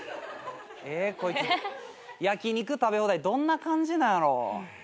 えこいつ焼き肉食べ放題どんな感じなんやろう。